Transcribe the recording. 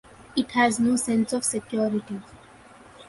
It has no sense of security.